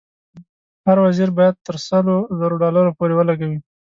هر وزیر باید تر سلو زرو ډالرو پورې ولګوي.